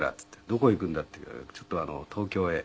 「どこ行くんだ？」って言うから「ちょっと東京へ」。